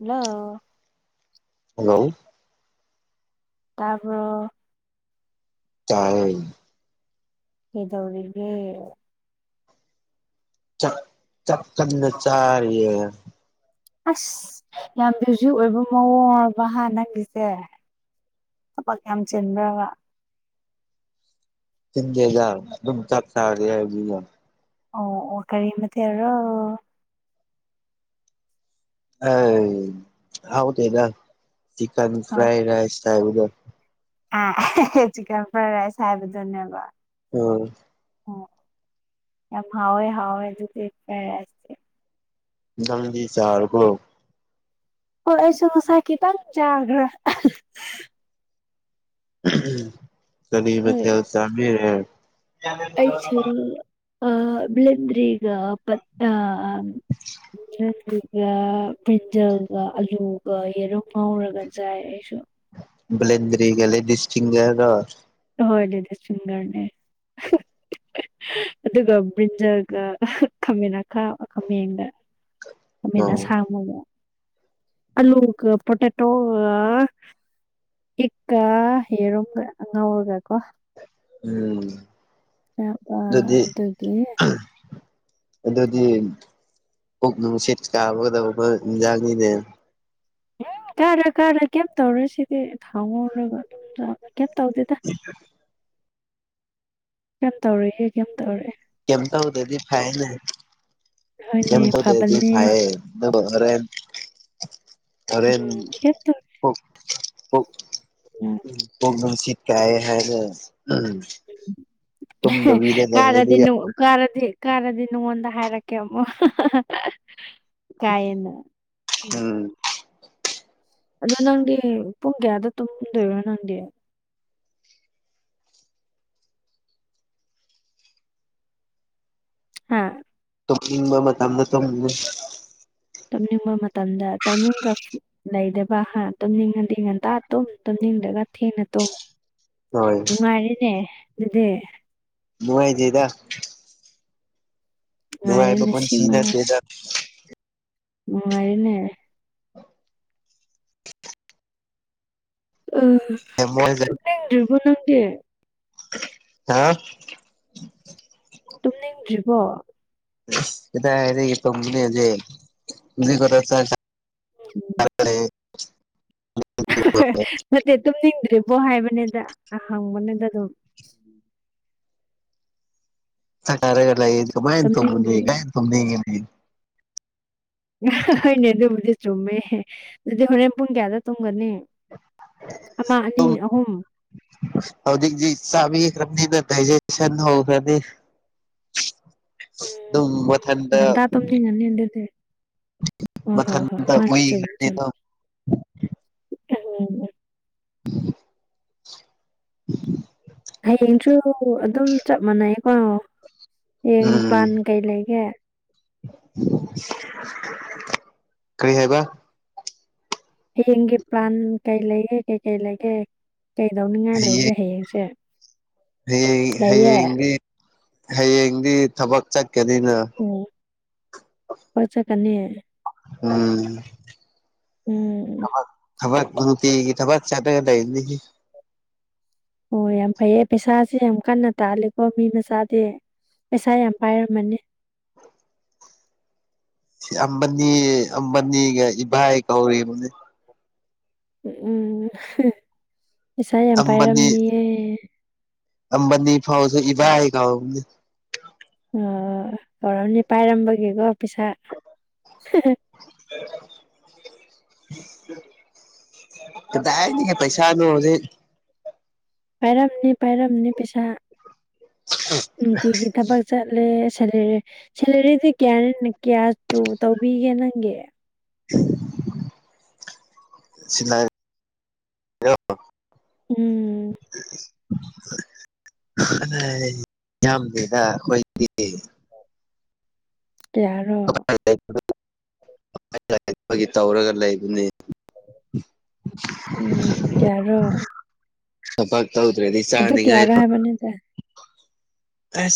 hello hello ꯇꯥꯕ꯭ꯔꯣ ꯇꯥꯏ ꯀꯩꯗꯧꯔꯤꯒꯦ ꯆꯥꯛ ꯆꯥꯛ ꯆꯪꯅ ꯆꯔꯤꯌꯦ ꯑꯁ ꯌꯥꯝ ꯃ꯭ꯌꯨꯖꯤꯛ ꯑꯣꯏꯕ ꯃꯑꯣꯡꯕ ꯍ ꯅꯪꯒꯤꯁꯦ ꯊꯕꯛ ꯌꯥꯝ ꯆꯤꯟꯕ꯭ꯔꯥꯕ ꯇꯤꯟꯗꯦꯗ ꯑꯗꯨꯝ ꯆꯥꯛ ꯆꯥꯔꯁꯦ ꯍꯥꯏ ꯑꯣ ꯑꯣ ꯀꯔꯤ ꯃꯊꯦꯜꯔꯣ ꯑ ꯍꯥꯎꯗꯦꯗ ꯆꯤꯀꯟ ꯐ꯭ꯔꯥꯏ ꯔꯥꯏꯁ ꯍꯥꯏꯕꯗꯣ ꯆꯤꯀꯟ ꯐ꯭ꯔꯥꯏ ꯔꯥꯏꯁ ꯍꯥꯏꯕ ꯗꯨꯅ‌ꯦꯕ ꯎꯝ ꯑꯣ ꯌꯥꯝ ꯍꯥꯎꯋꯦ ꯍꯥꯎꯋꯦ ꯑꯗꯨꯗꯤ ꯐꯔꯥꯏ ꯔꯥꯏꯁꯇꯤ ꯅꯪꯗꯤ ꯆꯥꯔꯕꯣ ꯍꯣꯏ ꯑꯩꯁꯨ ꯉꯁꯥꯏ ꯈꯤꯇꯪ ꯆꯥꯈ꯭ꯔꯦ ꯀꯔꯤ ꯃꯊ‌ꯦꯜ ꯆꯥꯕꯤꯔ‌ꯦ ꯑꯩꯁꯤ ꯑ ꯕꯤꯂꯤꯟꯗ꯭ꯔꯤ [unintelligible] ꯑ ꯕ꯭ꯔꯤꯟꯖꯜꯒ ꯑꯂꯨꯒ ꯌꯦꯔꯨꯝ ꯉꯧꯔꯒ ꯆꯥꯏ ꯑꯩꯁꯨ ꯕ꯭ꯂꯦꯟꯗꯔꯤꯒ ꯂꯦꯗꯤꯁꯤꯡꯒꯔꯒ ꯍꯣꯏ ꯂꯤꯗꯤꯁꯐꯤꯡꯒꯔꯅꯦ ꯑꯗꯨꯒ ꯕ꯭ꯔꯤꯟꯖꯥꯜꯒ ꯑꯍꯥ ꯈꯥꯃꯦꯟ ꯈꯥꯕ ꯈꯥꯃꯦꯟꯗ [inaudible] ꯈꯃ‌ꯦꯟ ꯑꯣ ꯑꯁꯥꯡꯕꯒ ꯑꯂꯨ ꯒ ꯄꯣꯇꯦꯇꯣꯒ ꯏꯛꯀ ꯌꯦꯔꯨꯝꯝꯒ ꯉꯥꯎꯔꯒ ꯀꯣ ꯎꯝ [unintelligible] ꯑꯥ ꯑꯗꯨꯗꯤ ꯑꯗꯨꯒꯤ ꯑꯗꯨꯗꯤ ꯄꯨꯛ ꯅꯨꯡꯁꯤꯠ ꯀꯥꯒꯗꯧꯕ ꯏꯟꯖꯥꯡꯅꯤꯅꯦ ꯀꯥꯔꯣꯏ ꯀꯥꯔꯣꯏ ꯀꯩꯝ ꯇꯧꯔꯣꯏ ꯁꯤꯗꯤ ꯊꯥꯎ ꯉꯧꯔꯒ ꯑꯗꯨꯝ ꯌꯥꯕꯅꯦ ꯀꯩꯝ ꯇꯧꯗꯦꯗ ꯀꯩꯝ ꯇꯧꯔꯣꯏꯌꯦ ꯀꯩꯝ ꯇꯧꯔꯣꯏꯌꯦ ꯀꯩꯝ ꯇꯧꯗꯔꯗꯤ ꯐꯥꯏꯅꯦ ꯍꯣꯏꯅꯦ ꯀꯩꯝ ꯇꯧꯗꯔꯗꯤ ꯐꯕꯅꯦ ꯐꯩꯌꯦ ꯑꯗꯣ ꯍꯣꯔꯦꯟ ꯍꯣꯔꯦꯟ ꯎꯝ ꯀꯩꯝ ꯇꯧ ꯑꯣꯛ ꯑꯣꯛ ꯄꯨꯛ ꯅꯨꯁꯤꯠ ꯀꯥꯏꯌꯦ ꯍꯥꯏꯕ ꯎꯝ ꯇꯨꯝꯗꯕꯤꯗ [unintelligible] ꯂꯩ ꯑꯗꯨ ꯀꯔꯗꯤ ꯅꯣ ꯀꯥꯔꯗꯤ ꯀꯥꯔꯗꯤ ꯅꯉꯣꯟꯗ ꯍꯥꯏꯔꯛꯀꯦ ꯑꯃꯨꯛ ꯀꯥꯏꯌꯦꯅ ꯎꯝ ꯑꯗꯣ ꯅꯪꯗꯤ ꯄꯨꯡ ꯀꯌꯥꯗ ꯇꯨꯝꯗꯣꯏꯔꯣ ꯅꯪꯗꯤ ꯍꯥ ꯇꯨꯝꯅꯤꯡꯕ ꯃꯇꯝꯗ ꯇꯨꯝꯒꯅꯤ ꯇꯨꯝꯅꯤꯡꯕ ꯃꯇꯝꯗ ꯇꯥꯏꯃꯤꯡꯒ ꯂꯩꯗꯕ ꯍꯥ ꯇꯨꯝꯅꯤꯡꯉꯗꯤ ꯉꯟꯇꯥ ꯇꯨꯝ ꯇꯨꯝꯅꯤꯡꯗꯒ ꯊꯦꯡꯅ ꯇꯨꯝ ꯍꯣꯏ ꯅꯨꯡꯉꯥꯏꯔꯦꯅꯦ ꯑꯗꯨꯗꯤ ꯕꯨꯋꯥꯏꯗꯦꯗ ꯅꯨꯉꯥꯏꯕ ꯅꯨꯡꯉꯥꯏꯔꯦꯅꯦ ꯄꯨꯟꯁꯤ ꯁꯤꯃ ꯅꯠꯇꯦꯗ ꯅꯨꯡꯉꯥꯏꯔꯦꯅꯦ ꯑꯁ ꯇꯨꯝꯅꯤꯡꯗꯔ꯭ꯤꯕꯣ ꯅꯪꯗꯤ ꯍꯥ ꯇꯨꯝꯅꯤꯡꯗ꯭ꯔꯤꯕꯣ ꯀꯗꯥꯏꯗꯒꯤ ꯇꯨꯝꯒꯅꯤ ꯍꯧꯖꯤꯛ ꯍꯧꯖꯤꯛ ꯈꯛꯇ ꯆꯥꯛ ꯆꯥ ꯎꯝ [unintelligible] ꯅꯠꯇꯦ ꯇꯨꯝꯅꯤꯡꯗ꯭ꯔꯤꯕꯣ ꯍꯥꯏꯕꯅꯦꯗ ꯑꯍꯪꯕꯅꯦꯗ ꯑꯗꯨꯝ ꯆꯥꯛ ꯆꯥꯛ ꯂꯩꯌꯦ ꯀꯃꯥꯏꯟ ꯇꯨꯝꯒꯅꯤ ꯇꯨꯝꯅꯤꯡꯗ꯭ꯔꯤ [unintelligible] ꯇꯨꯝꯅꯤꯉꯤꯅꯤ ꯍꯣꯏꯅꯦ ꯑꯗꯨꯕꯨꯗꯤ ꯆꯨꯝꯃꯦ ꯑꯗꯨꯗꯤ ꯍꯣꯔꯦꯟ ꯄꯨꯡ ꯀꯌꯥꯗ ꯇꯨꯝꯒꯅꯤ ꯑꯃ ꯑꯅꯤ ꯇꯨꯝ ꯑꯍꯨꯝ ꯍꯧꯖꯤꯛꯁꯤ ꯆꯥꯕꯤꯈ꯭ꯔꯥꯕꯅꯤꯅ ꯗꯥꯖꯦꯁꯟ ꯍꯧꯈ꯭ꯔꯗꯤ ꯎꯝ ꯃꯊꯟꯇ ꯉꯟꯇ ꯇꯨꯝꯅꯤꯡꯉꯝꯅꯤ ꯑꯗꯨꯗꯤ ꯍꯣꯏ ꯍꯣꯏ ꯃꯊꯟꯇ ꯃꯥꯅꯤ ꯆꯨꯝꯃꯤ ꯎꯏꯈ꯭ꯔꯅꯤ ꯆꯨꯝꯃꯤ ꯑꯗꯨꯝ ꯎꯝ ꯎꯝ [unintelligible] ꯍꯌꯦꯡꯁꯨ ꯑꯗꯨꯝ ꯆꯞ ꯃꯥꯟꯅꯩꯀꯣ ꯍꯌꯦꯡ ꯄ꯭ꯂꯥꯟ ꯀꯩ ꯂꯩꯒꯦ ꯀꯩ ꯍꯥꯏꯕ ꯍꯌꯦꯡꯒꯤ ꯄ꯭ꯂꯥꯟ ꯀꯩ ꯂꯩꯒꯦ ꯀꯩꯀꯩ ꯂꯩꯒꯦ ꯀꯩꯗꯧꯅꯤꯡꯉꯥꯏ ꯂꯩꯒꯦ ꯍꯌꯦꯡ ꯍꯌꯦꯡꯁꯦ ꯍꯌꯦꯡ ꯂꯩꯌꯦ ꯍꯌꯦꯡꯗꯤ ꯍꯌꯦꯡꯗꯤ ꯊꯕꯛ ꯆꯠꯀꯅꯤꯅ ꯑꯣ ꯊꯕꯛ ꯆꯠꯀꯅꯤ ꯎꯝ ꯎꯝ ꯊꯕꯛ ꯊꯕꯛ ꯅꯨꯡꯇꯤꯒꯤ ꯊꯕꯛ ꯆꯠꯔ ꯂꯩꯕꯅꯦꯍꯦ ꯑꯣ ꯌꯥꯝ ꯐꯩꯌꯦ ꯄꯩꯁꯥꯁꯦ ꯌꯥꯝ ꯀꯟꯅ ꯇꯥꯂꯦꯜꯀꯣ ꯃꯤ ꯃꯆꯥꯗꯤ ꯄꯩꯁꯥ ꯌꯥꯝ ꯄꯥꯏꯔꯝꯃꯅꯤ ꯑꯃꯗꯤ ꯑꯃꯗꯤ ꯏꯚꯥꯏ ꯀꯧꯔꯤꯕꯅꯦ ꯎꯝ ꯄꯩꯁꯥ ꯌꯥꯝ ꯑꯝꯕꯅꯤ ꯄꯥꯏꯔꯝꯅꯤꯌꯦ ꯑꯝꯕꯅꯤ ꯐꯥꯎꯁꯨ ꯏꯕꯥꯏ ꯀꯧꯕꯅꯦ ꯑꯣ ꯇꯧꯔꯝꯅꯤ ꯄꯥꯏꯔꯝꯕꯒꯤꯀꯣ ꯄꯩꯁꯥ [unintelligible] ꯀꯗꯥꯏꯗꯒꯤ ꯄꯩꯁꯥꯅꯣ ꯍꯧꯖꯤꯛ ꯄꯥꯏꯔꯝꯅꯤ ꯄꯥꯏꯔꯝꯅꯤ ꯄꯩꯁꯥ ꯅꯨꯡꯇꯤꯒꯤ ꯊꯕꯛ ꯆꯠꯂꯦ ꯁꯦꯂꯔꯤ ꯁꯦꯜꯂꯔꯤꯗꯤ ꯀꯌꯥꯅꯤꯅ ꯀꯤꯌꯥꯁꯇꯨ ꯇꯧꯕꯤꯒꯦ ꯅꯪꯒꯤ [unintelligible] [inaudible] ꯎꯝ [unintelligible] ꯌꯥꯝꯗꯦꯗ ꯑꯩꯈꯣꯏꯒꯤꯗꯤ ꯀꯌꯥꯔꯣ ꯇꯧꯔꯒ ꯂꯩꯕꯅꯦ ꯎꯝ ꯀꯌꯥꯔꯣ ꯊꯕꯛ ꯇꯧꯗꯔꯥꯗꯤ ꯑꯗꯨ ꯀꯌꯥꯔꯣ ꯆꯥꯅꯤꯉꯥꯏꯗꯣ ꯍꯥꯏꯕꯅꯤꯗ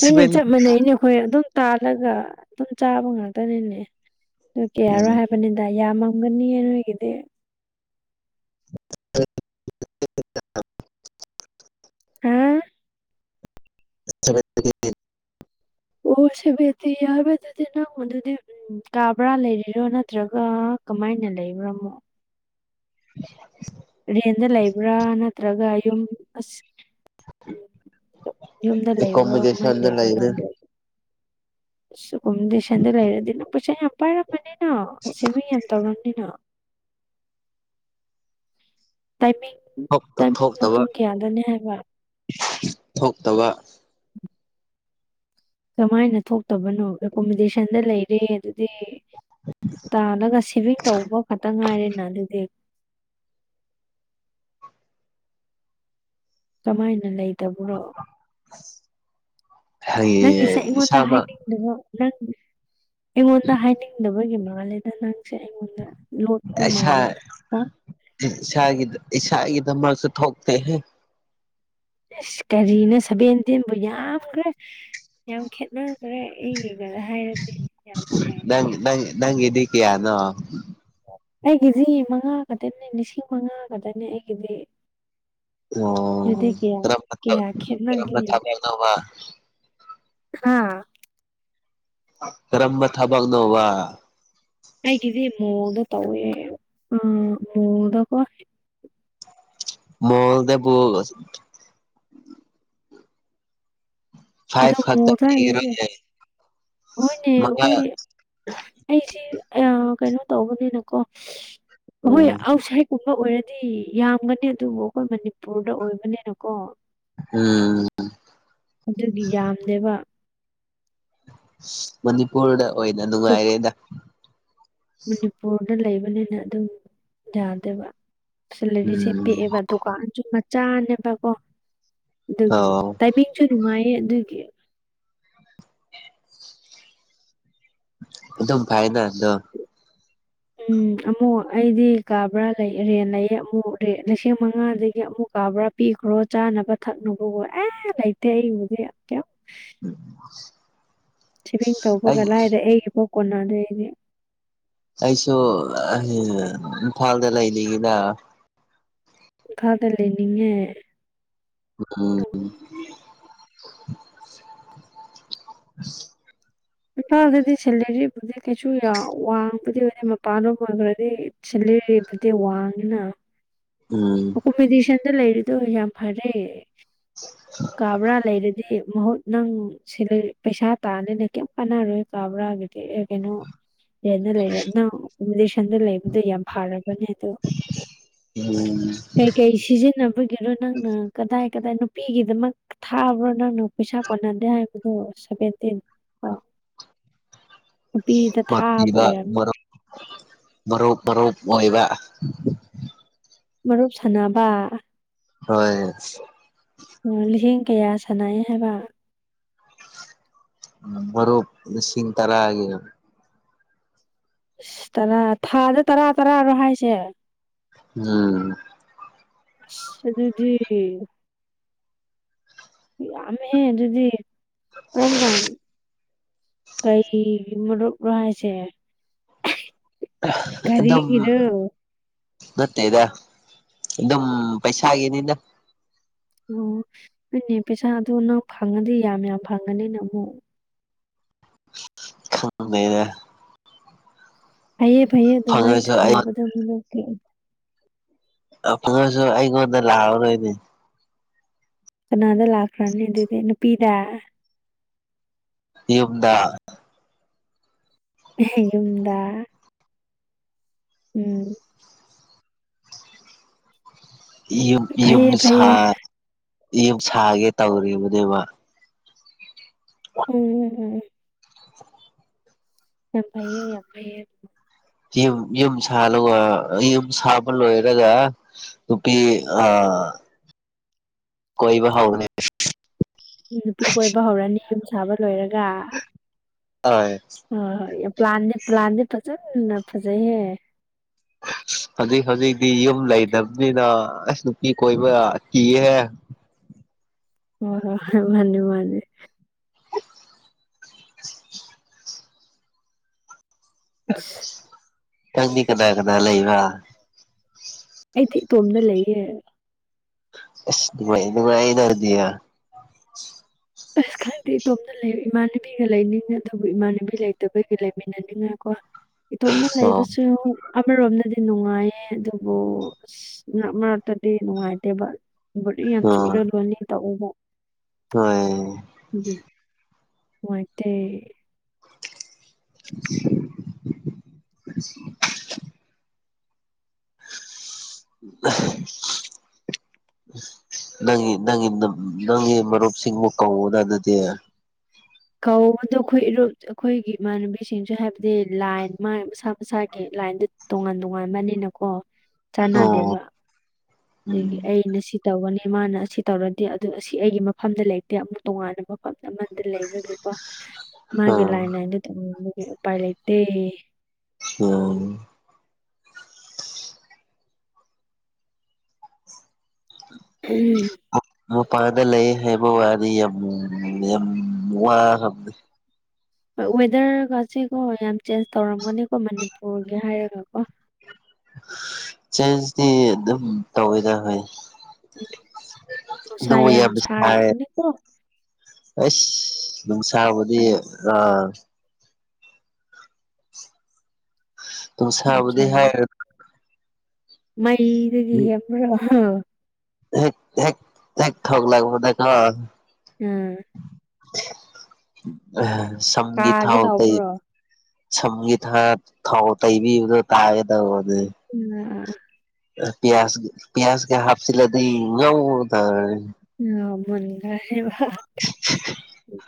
ꯍꯣꯏꯅꯦ ꯆꯞ ꯃꯥꯟꯅꯩꯅꯦ ꯑꯩꯈꯣꯏ ꯑꯗꯨꯝ ꯇꯥꯜꯂꯒ ꯑꯗꯨꯝ ꯆꯥꯕ ꯉꯥꯛꯇꯅꯤꯅꯦ ꯑꯗꯨ ꯀꯌꯥꯔꯥ ꯍꯥꯏꯕꯅꯤꯗ ꯌꯥꯝꯃꯝꯒꯅꯤꯌꯦ ꯅꯣꯏꯒꯤꯗꯤ [inaudible] ꯍꯥꯥ [inaudible] ꯑꯣ ꯁꯕꯦꯟꯇꯤ ꯌꯥꯝꯃꯦꯗ ꯑꯗꯨꯗꯤ ꯅꯪꯉꯣꯟꯗꯗꯤ ꯎꯝ ꯀꯥ ꯕꯔꯥ ꯂꯩꯔꯤꯔꯣ ꯅꯠꯇ꯭ꯔꯥꯒ ꯀꯃꯥꯏꯅ ꯂꯩꯕ꯭ꯔꯥ ꯑꯃꯨꯛ [inaudible] ꯔꯦꯟꯗ ꯂꯩꯕ꯭ꯔꯥ ꯅꯠꯇ꯭ꯔꯥꯒ ꯌꯨꯝ ꯑꯁ ꯎꯝ ꯌꯨꯝꯗ ꯂꯩꯕ꯭ꯔꯣ ꯀꯃꯥꯏ ꯑꯦꯀꯣꯃꯣꯗꯦꯁꯟꯗ ꯂꯩꯕ꯭ꯔꯣ ꯂꯩꯕꯅꯤ ꯅꯪꯗꯤ ꯁꯤꯒꯨꯝ ꯗꯦꯁꯟꯗ ꯂꯩꯔꯗꯤ ꯅꯪ ꯄꯩꯁꯥ ꯌꯥꯝ ꯄꯥꯏꯔꯝꯃꯅꯤꯅ ꯁꯦꯚꯤꯡ ꯌꯥꯝ ꯇꯧꯔꯝꯅꯤꯅ ꯇꯥꯏꯃꯤꯡ ꯇꯥꯏꯃꯤꯡꯅ ꯊꯣꯛꯇꯕ ꯄꯨꯡ ꯀꯌꯥꯗꯅꯦ ꯍꯥꯏꯕ ꯊꯣꯛꯇꯕ ꯀꯃꯥꯏꯅ ꯊꯣꯛꯇꯕꯅꯣ ꯑꯦꯀꯣꯃꯤꯗꯦꯁꯟꯗ ꯂꯩꯔꯦ ꯑꯗꯨꯗꯤ ꯇꯥꯜꯂꯒ ꯁꯦꯚꯤꯡ ꯇꯧꯕ ꯈꯛꯇ ꯉꯥꯏꯔꯦꯅ ꯑꯗꯨꯗꯤ ꯀꯃꯥꯏꯅ ꯂꯩꯇꯕꯔꯣ [unintelligible] ꯅꯪꯒꯤꯁꯦ ꯍꯌꯦꯡ ꯑꯩꯉꯣꯟꯗ ꯏꯁꯥꯃꯛ ꯍꯥꯏꯅꯤꯡꯗꯕ꯭ꯔꯣ ꯅꯪ ꯑꯩꯉꯣꯟꯗ ꯍꯥꯏꯅꯤꯡꯗꯕꯒꯤ ꯃꯥꯜꯂꯦꯗ ꯅꯪꯁꯦ ꯑꯩꯉꯣꯟꯗ ꯂꯣꯠꯄ ꯏꯁꯥ ꯃꯥꯜꯂꯦꯗ ꯑꯣ ꯏꯁꯥꯒꯤ ꯏꯁꯥꯒꯤ ꯅꯝꯕꯔꯁꯨ ꯊꯣꯛꯇꯦꯍꯦ ꯑꯁ ꯀꯔꯤꯅꯣ ꯁꯚꯦꯟꯇꯤꯟꯕꯨ ꯌꯥꯝꯈ꯭ꯔꯦ ꯌꯥꯝ ꯈꯦꯠꯅ ꯍꯣꯔꯦꯟ ꯑꯩ ꯌꯦꯡꯉꯥꯒ ꯍꯥꯏꯔꯛꯀꯦ ꯌꯥꯒꯗꯔꯥ ꯌꯥꯔꯣꯏꯗꯔꯥ ꯑꯩ ꯅꯪꯒꯤꯗꯤ ꯀꯌꯥꯅꯣ ꯑꯩꯒꯤꯗꯤ ꯃꯉꯥ ꯈꯛꯇꯅꯦ ꯂꯤꯁꯤꯡ ꯃꯉꯥ ꯈꯛꯇꯅꯦ ꯑꯩꯒꯤꯗꯤ ꯑꯗꯨꯗꯤ ꯑꯣ ꯀꯌꯥ ꯀꯌꯥ ꯈꯦꯠꯅꯒꯤ ꯅꯧꯕ ꯍꯥ ꯀꯔꯝꯕ ꯊꯕꯛꯅꯣꯕ ꯑꯩꯒꯤꯗꯤ ꯃꯣꯜꯗ ꯇꯧꯋꯦ ꯑꯥ ꯃꯣꯜꯗꯀꯣ ꯃꯣꯜꯗ ꯄꯨꯜꯑꯁ ꯑꯗ ꯐꯥꯏꯚ ꯈꯛꯇ ꯃꯣꯔꯆ ꯍꯥꯏꯖꯤꯁꯆꯦ ꯄꯤꯔꯣꯏꯅꯦ ꯍꯣꯏꯅꯦ ꯃꯉꯥ ꯑꯣꯈꯣꯏ ꯑꯩꯁꯤ ꯀꯩꯅꯣ ꯇꯧꯕꯅꯤꯅꯀꯣ ꯍꯣꯏ ꯎꯝ ꯑꯥꯎꯠꯁꯥꯏꯠ ꯀꯨꯝꯕ ꯑꯣꯏꯔꯗꯤ ꯌꯥꯝꯒꯅꯤ ꯑꯗꯨꯕꯨ ꯑꯈꯣꯏ ꯃꯅꯤꯄꯨꯔꯗ ꯑꯣꯏꯕꯅꯤꯅꯀꯣ ꯎꯝ ꯗꯨꯒꯤ ꯌꯥꯝꯗꯦꯕ ꯃꯅꯤꯄꯨꯔꯗ ꯑꯣꯏꯅ ꯅꯨꯡꯉꯥꯏꯔꯦꯗ ꯃꯅꯤꯄꯨꯔꯗ ꯂꯩꯕꯅꯤꯅ ꯑꯗꯨꯝ ꯌꯥꯗꯦꯕ ꯁꯦꯂꯔꯤꯁꯦ ꯎꯝ ꯄꯤꯛꯑꯦꯕ ꯗꯨꯀꯥꯟꯖꯨ ꯃꯆꯥꯅꯦꯕꯀꯣ ꯗꯨꯒꯤ ꯑꯣ ꯇꯥꯏꯃꯤꯡꯁꯨ ꯅꯨꯡꯉꯥꯏꯌꯦ ꯑꯗꯨꯒꯤ ꯑꯗꯨꯝ ꯐꯩꯌꯦꯅ ꯑꯗꯨꯝ ꯎꯝ ꯑꯃꯨꯛ ꯑꯩꯗꯤ ꯀꯥꯕ꯭ꯔꯥ ꯂꯩ ꯔꯦꯟ ꯂꯩꯌꯦ ꯑꯃꯨꯛ ꯂꯤꯁꯤꯡ ꯃꯉꯥꯗꯒꯤ ꯑꯃꯨꯛ ꯀꯥꯕ꯭ꯔꯥ ꯄꯤꯒꯔꯣ ꯆꯥꯅꯕ ꯊꯛꯅꯕꯋꯣ ꯑꯦ ꯂꯩꯇꯦ ꯑꯩꯕꯨꯗꯤ ꯀꯩꯝ ꯎꯝ ꯁꯤꯚꯤꯡ ꯇꯧꯕꯒ ꯂꯥꯏꯔꯦ ꯑꯩꯒꯤ ꯄꯣꯛ ꯀꯣꯟꯅꯗꯦ ꯑꯩꯗꯤ ꯑꯩꯁꯨ ꯏꯝꯐꯥꯜꯗ ꯂꯩꯅꯤꯡꯉꯤꯅ ꯏꯝꯐꯥꯜꯗ ꯂꯩꯅꯤꯡꯉꯦ ꯎꯝ ꯏꯝꯐꯥꯜꯗꯗꯤ ꯁꯦꯂꯔꯤ ꯕꯨꯗꯤ ꯀꯩꯁꯨ ꯌꯥꯎ ꯋꯡꯕꯗꯤ ꯑꯣꯏꯗꯦ ꯃꯄꯥꯟꯔꯣꯝ ꯑꯣꯏꯕꯔꯗꯤ ꯁꯦꯂꯔꯤꯕꯨꯗꯤ ꯋꯥꯡꯉꯤꯅ ꯎꯝ ꯀꯣꯝꯕꯤꯗꯤꯁꯟꯗ ꯂꯩꯔꯤꯗꯣ ꯌꯥꯝ ꯐꯔꯦ ꯀꯥꯕ꯭ꯔꯥ ꯂꯩꯔꯗꯤ ꯃꯍꯨꯠ ꯅꯪ ꯁꯤ ꯂꯩ ꯄꯩꯁꯥ ꯇꯥꯟꯂꯦꯅ ꯀꯩꯝ ꯀꯥꯟꯅꯔꯣꯏ ꯀꯥꯕ꯭ꯔꯥꯒꯗꯤ ꯑꯦ ꯀꯩꯅꯣ ꯔꯦꯟꯗ ꯂꯩꯔꯦ ꯑꯗꯨꯅꯪ ꯕꯤꯂꯤꯁꯟꯗ ꯂꯩꯕꯗꯣ ꯌꯥꯝ ꯐꯔꯕꯅꯦ ꯑꯗꯣ ꯎꯝ ꯀꯩ ꯀꯩ ꯁꯤꯖꯤꯟꯅꯕꯒꯤꯔꯣ ꯅꯪꯅ ꯀꯗꯥꯏ ꯀꯗꯥꯏ ꯅꯨꯄꯤꯒꯤꯗꯃꯛ ꯊꯥꯕ꯭ꯔꯣ ꯅꯪꯅ ꯄꯩꯁꯥ ꯀꯣꯟꯅꯗꯦ ꯍꯥꯏꯕꯗꯣ ꯁꯚꯦꯟꯇꯤꯟ ꯑꯣ ꯅꯨꯄꯤꯗ ꯃꯥꯛ ꯊꯥꯕ ꯏꯕ ꯑꯣꯏꯔꯝꯅꯤ ꯃꯔꯨꯞ ꯃꯔꯨꯞ ꯃꯔꯨꯞ ꯃꯣꯏꯕ ꯃꯔꯨꯞ ꯁꯥꯟꯅꯕ ꯍꯣꯏ ꯂꯤꯁꯤꯡ ꯀꯌꯥ ꯁꯥꯟꯅꯩ ꯍꯥꯏꯕ ꯃꯔꯨꯞ ꯂꯤꯁꯤꯡ ꯇꯔꯥꯒꯤ ꯑꯁ ꯇꯔꯥ ꯊꯥꯗ ꯇꯔꯥ ꯇꯔꯥꯔꯣ ꯍꯥꯏꯁꯦ ꯎꯝ ꯑꯗꯨꯗꯤ ꯌꯥꯝꯃꯦꯍꯦ ꯑꯗꯨꯗꯤ ꯀꯔꯝ ꯀꯟ ꯀꯩ ꯃꯔꯨꯞꯔꯣ ꯍꯥꯏꯁꯦ ꯑꯗꯝꯃ ꯒꯥꯔꯤꯒꯤꯔꯣ ꯅꯠꯇꯦꯗ ꯑꯗꯨꯝ ꯄꯩꯁꯥ ꯒꯤꯅꯤꯗ ꯑꯣ ꯗꯨꯅꯦ ꯄꯩꯁꯥꯗꯣ ꯅꯪ ꯐꯪꯉꯗꯤ ꯌꯥꯝ ꯌꯥꯝ ꯐꯪꯉꯅꯤꯅ ꯑꯃꯨꯛ ꯈꯪꯕꯩꯗ ꯐꯩꯌꯦ ꯐꯩꯌꯦ ꯑꯗꯨꯃꯥꯏꯟ ꯐꯪꯉꯁꯨ ꯑꯩ ꯁꯥꯟꯅꯕꯗꯣ ꯑꯗꯨꯝ [unintelligible] ꯑ ꯐꯪꯉꯖꯨ ꯑꯩꯉꯣꯟꯗ ꯂꯥꯛꯑꯔꯣꯏꯅꯦ ꯀꯅꯥꯗ ꯂꯥꯛꯈ꯭ꯔꯥꯅꯤ ꯑꯗꯨꯗꯤ ꯅꯨꯄꯤꯗ ꯌꯨꯗ ꯑꯦꯍꯦ ꯌꯨꯝꯗ ꯎꯝ ꯌꯨꯝ ꯌꯨꯝ ꯐꯩꯌꯦ ꯁꯥ ꯐꯩꯌꯦ ꯌꯨꯝ ꯁꯥꯒꯦ ꯇꯧꯔꯤꯕꯅꯦꯕ ꯎꯝ ꯎꯝ ꯌꯥꯝ ꯐꯩꯌꯦ ꯌꯥꯝ ꯐꯩꯌꯦ ꯌꯨꯝ ꯌꯨꯝ ꯁꯥꯂꯒ ꯌꯨꯝ ꯁꯥꯕ ꯂꯣꯏꯔꯒ ꯅꯨꯄꯤ ꯑ ꯀꯣꯏꯕ ꯍꯥꯎꯔꯒꯦ ꯅꯨꯄꯤ ꯀꯣꯏꯕ ꯍꯧꯔꯅꯤ ꯌꯨꯝ ꯁꯥꯕ ꯂꯣꯏꯔꯒ ꯍꯣꯏ ꯍꯣꯏ ꯍꯣꯏ ꯄ꯭ꯂꯥꯟꯗꯤ ꯄ꯭ꯂꯥꯟꯗꯤ ꯐꯖꯅ ꯐꯖꯩꯍꯦ ꯍꯧꯖꯤꯛ ꯍꯧꯖꯤꯛꯇꯤ ꯌꯨꯝ ꯂꯩꯗꯕꯅꯤꯅ ꯑꯁ ꯅꯨꯄꯤ ꯀꯣꯏꯕ ꯀꯤꯍꯦ ꯑꯣ ꯍꯣꯏ ꯃꯥꯅꯤ ꯃꯥꯅꯤ ꯢꯁ ꯅꯪꯗꯤ ꯀꯅꯥ ꯀꯅꯥ ꯂꯩꯕ꯭ꯔꯥ ꯑꯩꯗꯤ ꯏꯇꯣꯝꯗ ꯂꯩꯌꯦ ꯗꯨ ꯑ [unintelligible] ꯗꯨꯗꯨꯃꯗꯔꯗꯤ ꯑꯁ ꯈ ꯑ ꯏꯇꯣꯝꯅ ꯂꯩ ꯏꯃꯥꯟꯅꯕꯤꯒ ꯂꯩꯅꯤꯡꯉꯦ ꯑꯗꯨꯕꯨ ꯏꯃꯥꯟꯅꯕꯤ ꯂꯩꯇꯕꯒꯤ ꯂꯩꯃꯤꯟꯅꯅꯤꯡꯉꯥꯢꯀꯣ ꯏꯇꯣꯝꯅ ꯂꯩꯕꯁꯨ ꯑꯃꯔꯣꯝꯗꯗꯤ ꯅꯨꯡꯉꯥꯏꯌꯦ ꯑꯗꯨꯕꯨ ꯑꯁ ꯃꯔꯛ ꯃꯔꯛꯇꯗꯤ ꯅꯨꯡꯉꯥꯏꯇꯦꯕ ꯕꯣꯔꯤꯡ ꯌꯥꯝ ꯆꯨꯨꯔꯦ ꯂꯣꯅꯤ ꯇꯧꯋꯦꯕ ꯍꯣꯢ ꯅꯨꯡꯉꯥꯏꯇꯦ ꯎ [inaudible] [inaudible] ꯅꯪꯒꯤ ꯅꯪꯒꯤ ꯅꯪꯒꯤ ꯃꯔꯨꯞꯁꯤꯡꯕꯨ ꯀꯧꯅ ꯑꯗꯨꯗꯤ ꯀꯧꯕꯗꯣ ꯑꯩꯈꯣꯏ ꯏꯔꯨꯞ ꯑꯩꯈꯣꯏꯒꯤ ꯏꯃꯥꯟꯅꯕꯤꯁꯤꯡꯁꯨ ꯍꯥꯏꯕꯗꯤ ꯂꯥꯏꯟ ꯃꯥ ꯃꯁꯥ ꯃꯁꯥꯒꯤ ꯂꯥꯏꯟꯗ ꯇꯣꯉꯥꯟ ꯇꯣꯉꯥꯟꯕꯅꯤꯅꯀꯣ ꯑꯣ ꯆꯥꯟꯅꯗꯦꯕ ꯑꯗꯒꯤ ꯎꯝ ꯑꯩꯅ ꯁꯤ ꯇꯧꯒꯅꯤ ꯃꯥꯅ ꯑꯁꯤ ꯇꯧꯔꯗꯤ ꯑꯗꯨ ꯑꯁꯤ ꯑꯩꯒꯤ ꯃꯐꯝꯗ ꯂꯩꯇꯦ ꯑꯃꯨꯛ ꯇꯣꯉꯥꯟꯥꯟꯕ ꯃꯐꯝ ꯑꯃꯗ ꯂꯩꯕꯒꯤꯀꯣ ꯃꯥꯒꯤ ꯑꯥ ꯂꯥꯏꯟ ꯂꯥꯏꯟꯗ [unintelligible] ꯎꯄꯥꯏ ꯂꯩꯇꯦ ꯎꯝ ꯎꯝ ꯃꯄꯥꯜꯗ ꯂꯩ ꯍꯥꯏꯕ ꯋꯥꯗꯤ ꯌꯥꯝ ꯋꯥꯔꯝꯅꯤ ꯍꯣꯏ ꯋꯦꯗꯔꯒꯁꯤ ꯀꯣ ꯌꯥꯝ ꯆꯦꯟꯖ ꯇꯧꯔꯝꯒꯅꯤꯀꯣ ꯃꯅꯤꯄꯨꯔꯒꯤ ꯍꯥꯏꯔꯒꯀꯣ ꯆꯦꯟꯖꯇꯤ ꯑꯗꯨꯝ ꯇꯧꯋꯦꯗ ꯍꯣꯢ ꯎꯝ ꯅꯨꯡꯁꯥ ꯌꯥꯝ ꯁꯥꯔꯕꯅꯤꯀꯣ ꯑꯁ ꯅꯨꯡꯁꯥꯕꯨꯗꯤ ꯁꯥꯔ- ꯑ ꯌꯥꯝ ꯅꯨꯡꯁꯥꯕꯨꯗꯤ ꯁꯥꯔ ꯍꯥꯏꯔ ꯃꯩꯗꯒꯤ ꯍꯦꯟꯕ꯭ꯔꯣ ꯍꯦꯛ ꯍꯦꯛ ꯍꯦꯛ ꯊꯣꯛꯂꯛꯄꯗꯀꯣ ꯎꯝ ꯑ ꯁꯝꯒꯤ ꯀꯥꯒꯦ ꯊꯥꯎ ꯇꯩ ꯇꯧꯕ꯭ꯔꯣ ꯁꯝꯒꯤ ꯊꯥ ꯊꯥꯎ ꯇꯩꯕꯤꯕꯗꯣ ꯇꯥꯒꯦ ꯇꯧꯕꯅꯦ ꯎꯝ ꯄꯌꯥꯖ ꯄꯌꯥꯖ ꯀ [unintelligible] ꯍꯥꯞꯆꯤꯜꯂꯗꯤ [unintelligible] [unintelligible] [unintelligible]